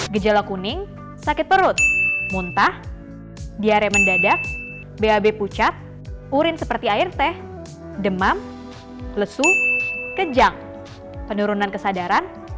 gejala kuning sakit perut muntah diare mendadak bab pucat urin seperti air teh demam lesu kejang penurunan kesadaran